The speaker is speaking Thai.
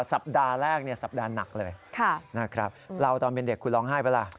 สัปดาห์แรกเนี่ยสัปดาห์หนักเลยนะครับเราตอนเป็นเด็กคุณร้องไห้ป่ะล่ะ